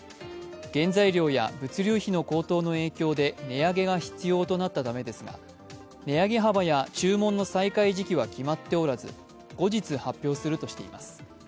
原材料や物流費の高騰の影響で値上げが必要となったためですが、値上げ幅や注文の再開時期は決まっておらず、後日発表するとしています。